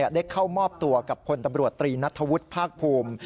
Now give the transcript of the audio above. ได้เข้ามอบตัวกับพลตำรวจตรีนัทธวุฒิภาคภูมิ